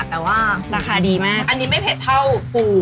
อันนี้ไม่เผ็ดเดียวเท่าปรู